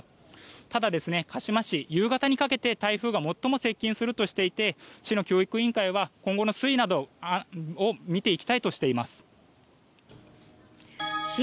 ただ、鹿嶋市は夕方にかけて台風が最も接近するとしていて市の教育委員会は今後の推移などを見ていきたいとしています。